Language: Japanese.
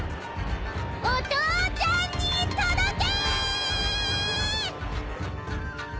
お父ちゃんに届け！